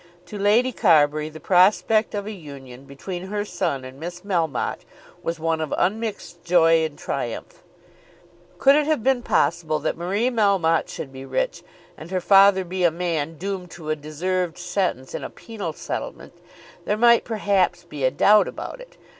To Lady Carbury the prospect of a union between her son and Miss Melmotte was one of unmixed joy and triumph. Could it have been possible that Marie Melmotte should be rich and her father be a man doomed to a deserved sentence in a penal settlement, there might perhaps be a doubt about it.